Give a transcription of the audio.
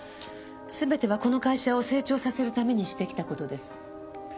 全てはこの会社を成長させるためにしてきた事です。